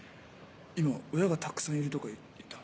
今「親がたくさんいる」とか言った？